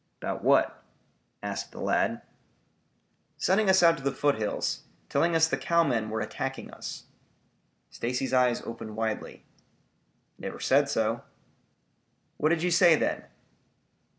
"'Bout what?" asked the lad. "Sending us out to the foothills, telling us the cowmen were attacking us." Stacy's eyes opened widely. "Never said so." "What did you say, then?"